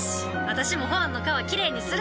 私もホアンの川きれいにする！